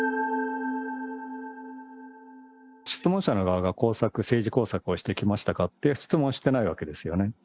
質問者の側が工作、政治工作をしてきましたかって質問してないわけですよね。